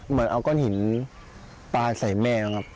เหมือนเอาก้อนหินปลาใส่แม่นะครับ